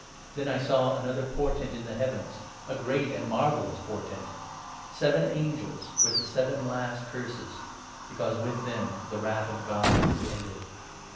Then I saw another portent in the heavens — a great and marvellous portent — seven angels with the seven last Curses ; because with them the Wrath of God is ended.